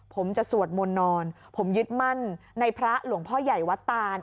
ผมจะสวดมนต์นอนผมยึดมั่นในพระหลวงพ่อใหญ่วัดตาน